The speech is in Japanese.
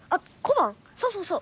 そうそうそう。